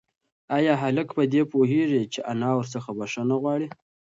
ایا هلک په دې پوهېږي چې انا ورڅخه بښنه غواړي؟